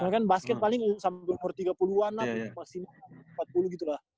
karena kan basket paling sampai nomor tiga puluh an lah maksimal empat puluh gitu lah